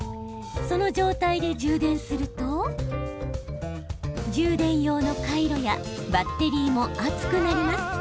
その状態で充電すると充電用の回路やバッテリーも熱くなります。